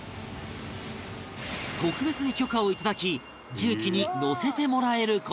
特別に許可をいただき重機に乗せてもらえる事に